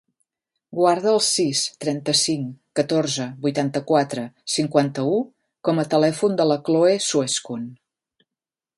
Guarda el sis, trenta-cinc, catorze, vuitanta-quatre, cinquanta-u com a telèfon de la Khloe Suescun.